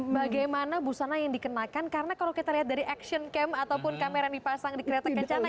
bagaimana busana yang dikenakan karena kalau kita lihat dari action camp ataupun kamera yang dipasang di kereta kencana